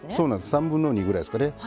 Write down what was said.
３分の２ぐらいですかね。